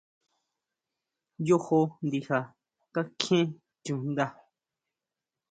Yojo ndija kakjién chuʼnda.